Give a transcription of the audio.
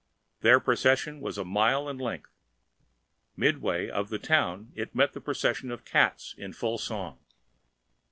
Their procession was a mile in length. Midway of the town it met the procession of cats in full song.